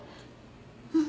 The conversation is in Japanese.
うん。